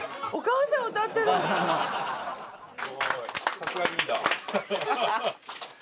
・さすがリーダー。